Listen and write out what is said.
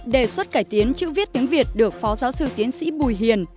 đề xuất cải tiến chữ viết tiếng việt được phó giáo sư tiến sĩ bùi hiền